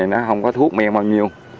nó không có thuốc men bao nhiêu